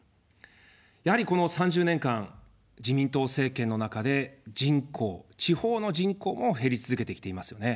やはりこの３０年間、自民党政権の中で人口、地方の人口も減り続けてきていますよね。